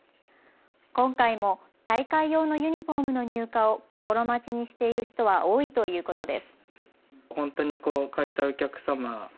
今回も大会用のユニフォームの入荷を心待ちにしている人は多いということです。